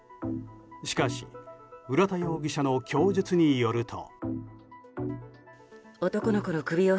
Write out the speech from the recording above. しかし、浦田容疑者の供述によると。